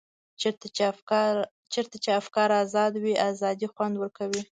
چېرته چې افکار ازاد وي ازادي خوند ورکوي.